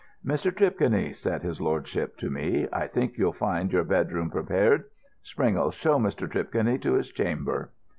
"Mr. Tripconey," said his lordship to me, "I think you'll find your bedroom prepared. Springle, show Mr. Tripconey to his chamber."